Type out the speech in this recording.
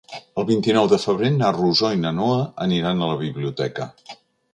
El vint-i-nou de febrer na Rosó i na Noa aniran a la biblioteca.